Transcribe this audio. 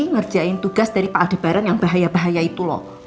ngerjain tugas dari paldebaran yang bahaya bahaya itu loh